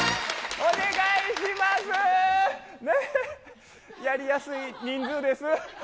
お願いします。